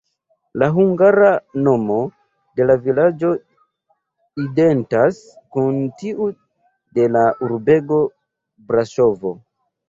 La hungara nomo de la vilaĝo identas kun tiu de la urbego Braŝovo.